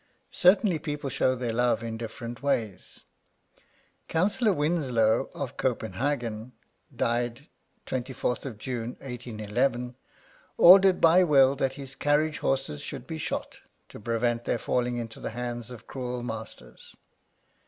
Certainly people show their love in different ways. Councillor Winslow of Copenhagen (d. 24th June 181 1) ordered by will that his carriage horses should be shot, to prevent their falling into the hands of cruel masters.